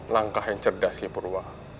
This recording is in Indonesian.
langkah yang cerdas kipurwa